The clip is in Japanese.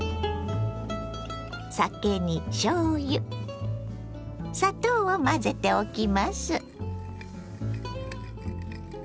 酒にしょうゆ砂糖を混ぜておきます。